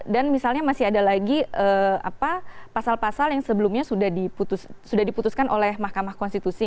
dan misalnya masih ada lagi pasal pasal yang sebelumnya sudah diputuskan oleh mahkamah konstitusi